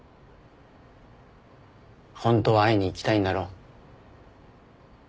ホントは会いに行きたいんだろ？